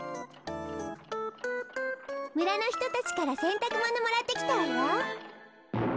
むらのひとたちからせんたくものもらってきたわよ。